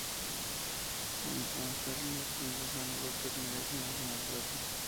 Ni Oesterheld ni Solano López merecen ese maltrato.